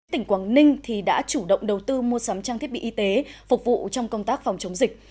tỉnh quảng ninh đã chủ động đầu tư mua sắm trang thiết bị y tế phục vụ trong công tác phòng chống dịch